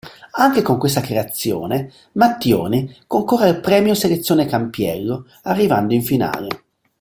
Anche con quest'ultima creazione Mattioni concorre al Premio Selezione Campiello arrivando in finale.